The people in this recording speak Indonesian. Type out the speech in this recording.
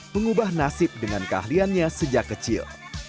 mengubah nasib dengan keahliannya sejak kecil